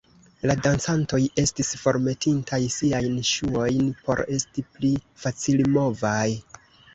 La dancantoj estis formetintaj siajn ŝuojn por esti pli facilmovaj.